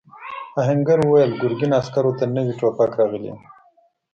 آهنګر وویل ګرګین عسکرو ته نوي ټوپک راغلی دی.